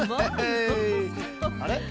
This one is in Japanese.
あれ？